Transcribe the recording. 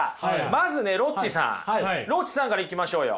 まずねロッチさんロッチさんからいきましょうよ。